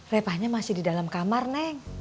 repahnya masih di dalam kamar neng